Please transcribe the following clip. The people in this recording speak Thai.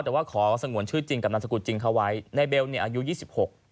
แต่ว่าขอสงวนชื่อจริงกับนามสกุลจริงเขาไว้ในเบลเนี่ยอายุยี่สิบหก